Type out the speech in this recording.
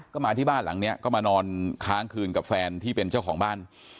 ก็มาที่บ้านหลังนี้ก็มานอนค้างคืนกับแฟนที่เป็นเจ้าของบ้าน